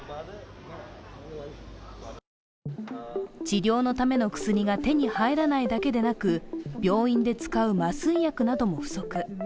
治療のための薬が手に入らないだけでなく病院で使う麻酔薬なども不足。